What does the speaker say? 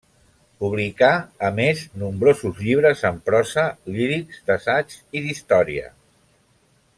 Publicà, a més, nombrosos llibres en prosa, lírics, d'assaigs i d'història.